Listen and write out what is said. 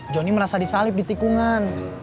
johnny merasa disalip di tikungan